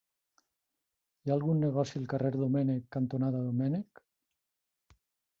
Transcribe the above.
Hi ha algun negoci al carrer Domènech cantonada Domènech?